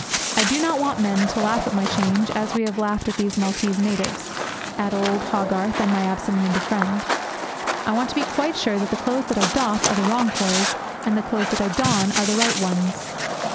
I do not want men to laugh at my change as we have laughed at these Maltese natives, at old Hogarth, and at my absent minded friend. I want to be quite sure that the clothes that I doff are the wrong clothes, and that the clothes that I don are the right ones. Mr.